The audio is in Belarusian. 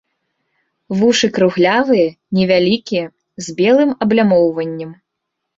Вушы круглявыя, невялікія, з белым аблямоўваннем.